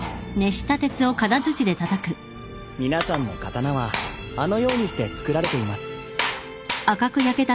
皆さんの刀はあのようにして作られています。